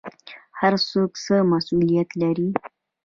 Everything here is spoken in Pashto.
هر څوک څه مسوولیت لري؟